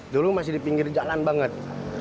dulu masih di pinggir jalan banget